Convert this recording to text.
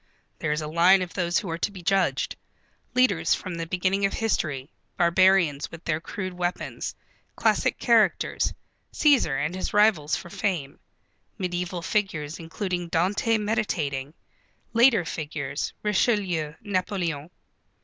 There is a line of those who are to be judged, leaders from the beginning of history, barbarians with their crude weapons, classic characters, Cæsar and his rivals for fame; mediæval figures including Dante meditating; later figures, Richelieu, Napoleon.